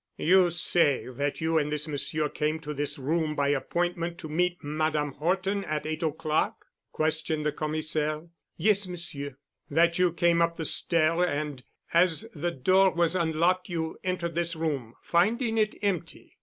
"You say that you and this monsieur came to this room by appointment to meet Madame Horton at eight o'clock?" questioned the Commissaire. "Yes, Monsieur." "That you came up the stair and as the door was unlocked, you entered this room, finding it empty?"